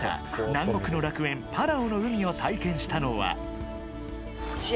南国の楽園パラオの海を体験したのは。